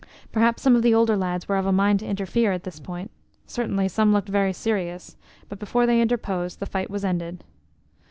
Perhaps some of the older lads were of a mind to interfere at this point, certainly some looked very serious, but before they interposed, the fight was ended.